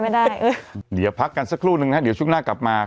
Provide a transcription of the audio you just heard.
ไม่ได้เออเดี๋ยวพักกันสักครู่นึงนะฮะเดี๋ยวช่วงหน้ากลับมา